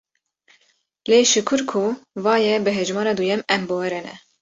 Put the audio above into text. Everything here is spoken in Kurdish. Lê şikur ku va ye bi hejmera duyem em bi we re ne.